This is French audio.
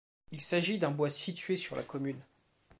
Il s'agit d'un bois situé sur la commune.